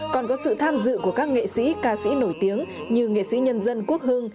còn có sự tham dự của các nghệ sĩ ca sĩ nổi tiếng như nghệ sĩ nhân dân quốc hương